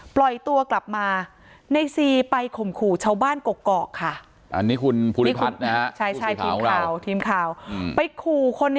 ปล่อยตัวกลับมา